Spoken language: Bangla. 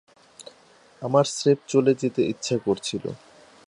আমার স্রেফ চলে যেতে ইচ্ছা করছিল।